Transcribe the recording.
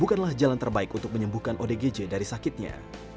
bukanlah jalan terbaik untuk menyembuhkan odgj dari sakitnya